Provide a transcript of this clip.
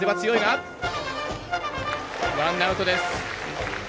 ワンアウトです。